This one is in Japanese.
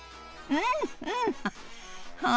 うん。